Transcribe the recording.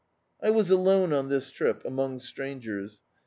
I was alcme cm this trip, am(Hig strangers.